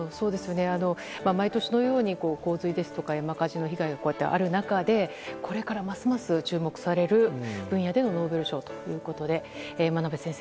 毎年のように山火事などの被害がある中でこれからますます注目される分野でのノーベル賞ということで真鍋先生